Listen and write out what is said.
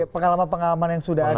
pengalaman pengalaman yang sudah ada